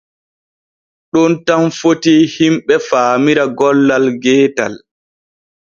Ɗon tan fitii himɓe faamira gollal geetal.